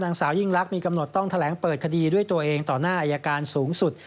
นางสาวยิ่งลักษณ์มีกำหนดต้องแถลงเปิดคดีด้วยตัวเองต่อหน้าอายการสูงสุด